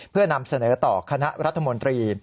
เพื่อนำเสนอต่อคณะรัฐมนตรี